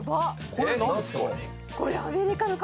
これ何ですか？